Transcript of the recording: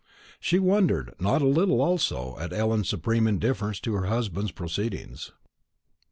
She wondered not a little also at Ellen's supreme indifference to her husband's proceedings.